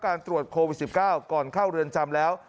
โควิด๑๙ก่อนเข้าเรือนจำแล้ว